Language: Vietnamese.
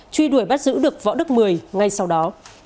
truy đuổi bắt giữ được võ đức mười ngay sau đó